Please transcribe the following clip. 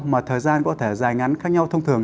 mà thời gian có thể dài ngắn khác nhau thông thường